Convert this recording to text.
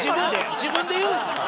自分で言うんですか？